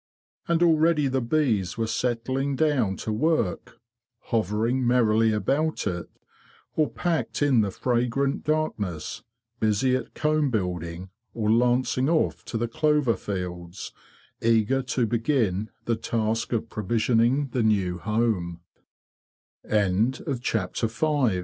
And already the bees were settling down to work; hovering merrily about it, or packed in the fragrant darkness busy at comb building, or lancing off to the clover fields, eager to begin the task of provisioning: the